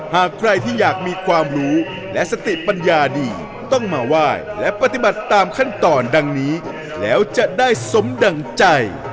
หากใครที่อยากมีความรู้และสติปัญญาดีต้องมาไหว้และปฏิบัติตามขั้นตอนดังนี้แล้วจะได้สมดั่งใจ